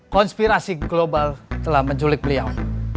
konspirasi global telah menculik beliau